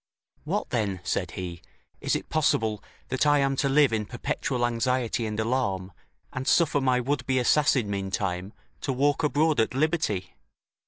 "What then," said he, "is it possible that I am to live in perpetual anxiety and alarm, and suffer my would be assassin, meantime, to walk abroad at liberty?